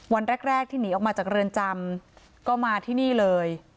วันแรกที่หนีออกมาจากเรือนจำก็มาที่นี่เลย